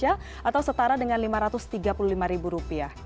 atau setara dengan rp lima ratus tiga puluh lima